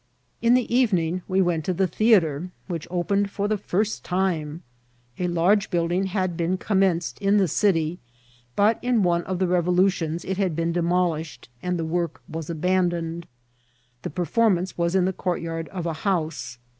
In the evening we went to the theatre, which opened for the first time. A large building had been com* menced in the city, but in one of the revolutions it had been demolished, and the work was abandoned. The performance was in the courtyard of a house.